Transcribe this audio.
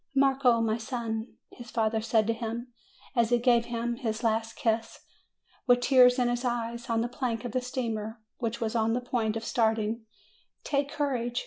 "Marco, my son," his father said to him, as he gave him his last kiss, with tears in his eyes, on the plank of the steamer, which was on the point of starting, "take courage.